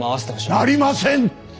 なりません！